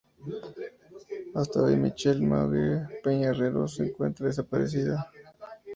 Hasta hoy Michelle Marguerite Peña Herreros se encuentra desaparecida.